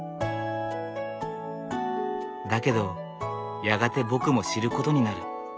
だけどやがて僕も知ることになる。